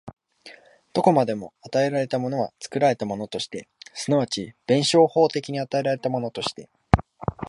どこまでも与えられたものは作られたものとして、即ち弁証法的に与えられたものとして、